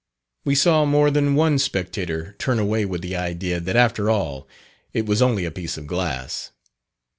We saw more than one spectator turn away with the idea that after all it was only a piece of glass.